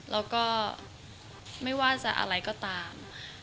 แล้วก็ไม่ว่าจะอะไรก็ตาม